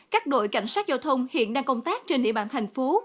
các đội cảnh sát giao thông hiện đang công tác trên địa bàn thành phố